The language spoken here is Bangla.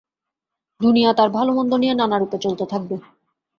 দুনিয়া তার ভাল মন্দ নিয়ে নানা রূপে চলতে থাকবে।